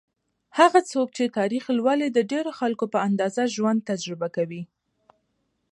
هغه څوک چې تاریخ لولي، د ډېرو خلکو په اندازه ژوند تجربه کوي.